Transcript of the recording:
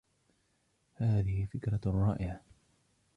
هذهِ فكرة رائعة.